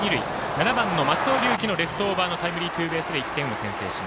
７番の松尾龍樹のレフトオーバーのタイムリーヒットで１点を先制。